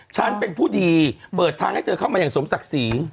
ฉันเป็นผู้ดีเปิดทางให้เธอเข้ามาอย่างสมศักดิ์ศรี